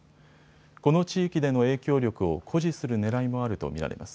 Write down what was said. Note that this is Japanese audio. この地域での影響力を誇示するねらいもあると見られます。